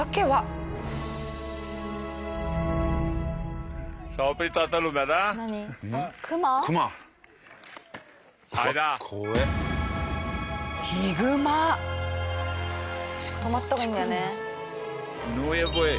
確か止まった方がいいんだよね。